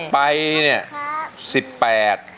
ไปเนี่ย๑๘